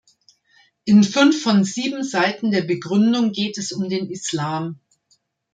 In fünf von sieben Seiten der Begründung geht es um den Islam.